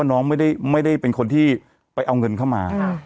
น้องไม่ได้เป็นคนที่ไปเอาเงินเข้ามา